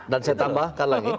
dan saya tambahkan lagi